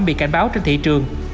bị cảnh báo trên thị trường